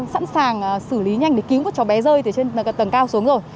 sẵn sàng xử lý nhanh để cứu cho bé rơi từ trên tầng cao xuống rồi